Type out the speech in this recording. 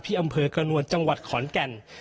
อำเภอกระนวลจังหวัดขอนแก่น